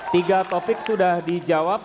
tiga topik sudah dijawab